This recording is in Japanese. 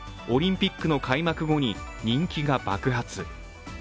オリンピックの開幕後に人気が爆発。